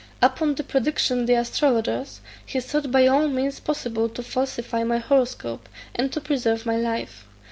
"Upon the prediction the astrologers, he sought by all means possible to falsify my horoscope, and to preserve my life.